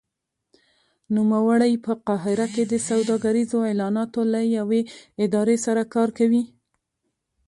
نوموړی په قاهره کې د سوداګریزو اعلاناتو له یوې ادارې سره کار کوي.